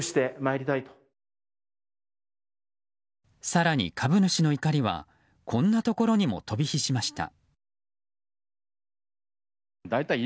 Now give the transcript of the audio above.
更に株主の怒りはこんなところにも飛び火しました。